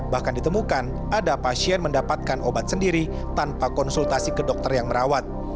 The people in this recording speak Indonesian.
bahkan ditemukan ada pasien mendapatkan obat sendiri tanpa konsultasi ke dokter yang merawat